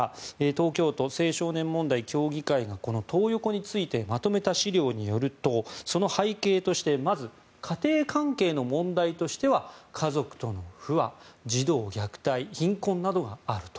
東京都青少年問題協議会がこのトー横についてまとめた資料によるとその背景としてまず、家庭関係の問題としては家族との不和児童虐待、貧困などがあると。